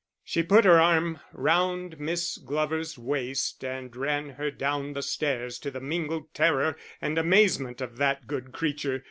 She put her arm round Miss Glover's waist and ran her down the stairs to the mingled terror and amazement of that good creature.